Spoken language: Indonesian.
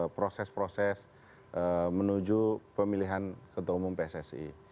proses proses menuju pemilihan ketua umum pssi